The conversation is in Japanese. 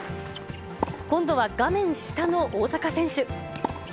今度は画面下の大坂選手。